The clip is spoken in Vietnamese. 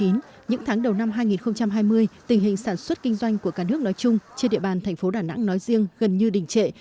những tháng đầu năm hai nghìn hai mươi tình hình sản xuất kinh doanh của cả nước nói chung trên địa bàn thành phố đà nẵng nói riêng gần như đỉnh trệ